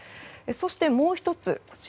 そして、もう１つ。